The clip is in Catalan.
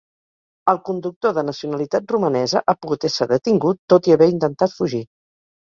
El conductor, de nacionalitat romanesa, ha pogut ésser detingut, tot i haver intentat fugir.